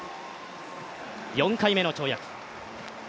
４回目の跳躍。